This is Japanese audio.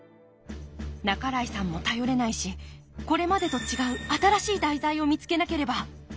半井さんも頼れないしこれまでと違う新しい題材を見つけなければ。